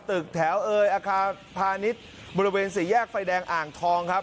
ตึกแถวเอยอาคารพาณิชย์บริเวณสี่แยกไฟแดงอ่างทองครับ